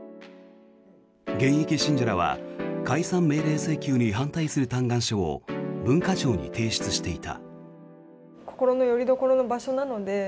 現役信者らは解散命令請求に反対する嘆願書を文化庁に提出していた。